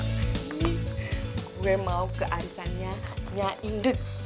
ini gue mau ke arisannya nyah indeg